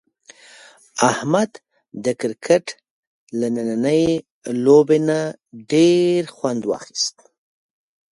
احمد د کرکټ له نننۍ لوبې نه ډېر خوند واخیست.